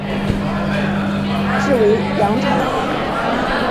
治淮阳城。